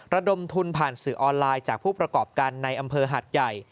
ระดมทุนผ่านสื่อออนไลน์จากผู้ประกอบการในอำเภอหัดใหญ่